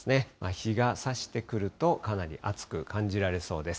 日がさしてくるとかなり暑く感じられそうです。